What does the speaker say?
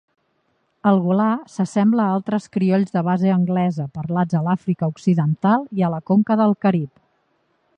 El gullah s'assembla a altres criolls de base anglesa parlats a l'Àfrica occidental i a la conca del Carib.